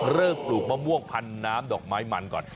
ปลูกมะม่วงพันน้ำดอกไม้มันก่อน